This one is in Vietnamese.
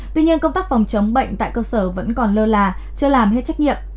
tuy nhiên công tác phòng chống bệnh tại cơ sở vẫn còn lơ là chưa làm hết trách nhiệm